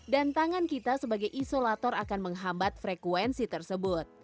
dan tangan kita sebagai isolator akan menghambat frekuensi tersebut